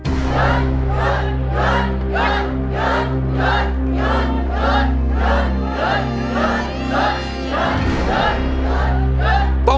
หยุดหยุดหยุด